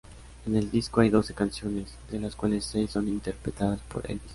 En el disco hay doce canciones, de las cuales seis son interpretada por Elvis.